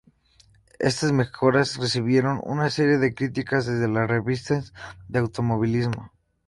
Estas mejoras recibieron una serie de críticas desde las revistas de automovilismo.